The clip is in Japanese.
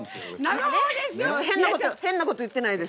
変なこと言ってないです。